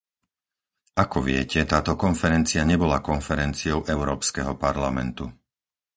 Ako viete, táto konferencia nebola konferenciou Európskeho parlamentu.